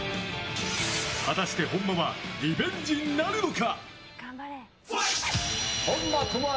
果たして、本間はリベンジなるのか？